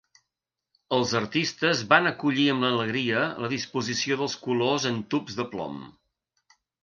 Els artistes van acollir amb alegria la disposició dels colors en tubs de plom